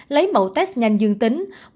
lấy mẫu test nhanh dương tính